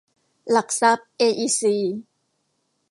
หลักทรัพย์ เออีซี